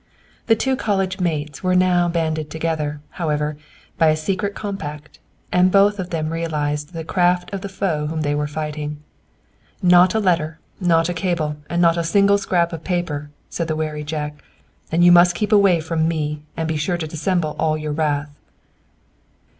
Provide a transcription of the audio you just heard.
The two college mates were now banded together, however, by a secret compact, and both of them realized the craft of the foe whom they were fighting. "Not a letter, not a cable, not a single scrap of paper," said the wary Jack. "And you must keep away from me and be sure to dissemble all your wrath."